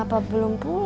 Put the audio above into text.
kenapa belum pulang ya